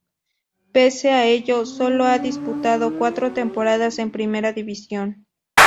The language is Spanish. Pese a ello, sólo ha disputado cuatro temporadas en Primera División.